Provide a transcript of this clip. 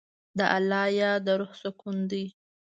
د الله یاد د روح سکون دی.